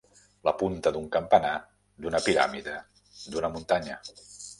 La punta d'un campanar, d'una piràmide, d'una muntanya.